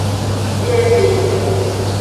Biene.